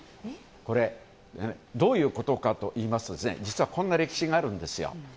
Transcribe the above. どういうことかといいますと実はこんな歴史があるんですよ。